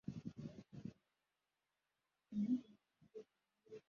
Igitaramo cyumuziki hamwe nabantu bishimiye itsinda kuri stage